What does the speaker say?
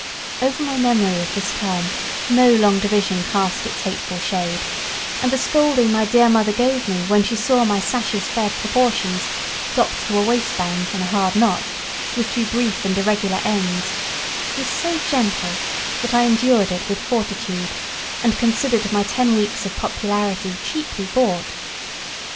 Over my memory of this term no long division cast its hateful shade, and the scolding my dear mother gave me when she saw my sashes' fair proportions docked to a waistband and a hard knot, with two brief and irregular ends, was so gentle that I endured it with fortitude, and considered my ten weeks of popularity cheaply bought.